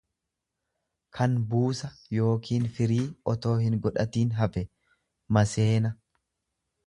kan buusa yookiin firii otoo hingodhatin hafe, maseena.